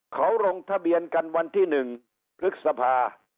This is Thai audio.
เขาลงทะเบียนกันวันที่๑พฤษภา